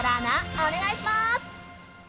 お願いします。